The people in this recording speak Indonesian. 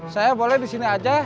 saya boleh di sini aja